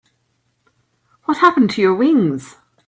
What happened to your wings?